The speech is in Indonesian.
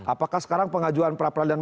apakah sekarang pengajuan peradilan